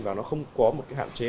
và nó không có một cái hạn chế